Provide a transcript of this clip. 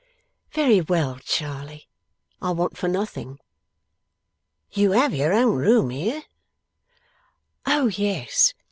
'Very well, Charley. I want for nothing.' 'You have your own room here?' 'Oh yes.